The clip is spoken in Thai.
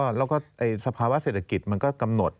มันจะบานแล้วก็สภาวะเศรษฐกิจมันก็กำหนด